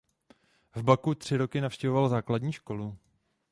V Baku tři roky navštěvoval základní školu.